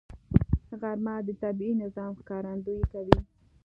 غرمه د طبیعي نظم ښکارندویي کوي